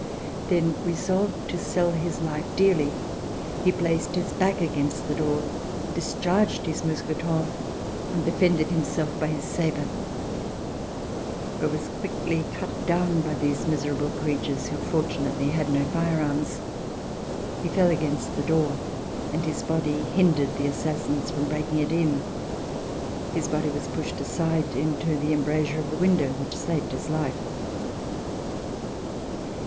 Then, resolved to sell his life dearly, he placed his back against the door, discharged his mousqueton, and defended himself by his sabre, but was quickly cut down by these miserable creatures who fortunately had no fire arms. He fell against the door, and his body hindered the assassins from break ing it in. His body was pushed aside into the embra sure of the window, which saved his life.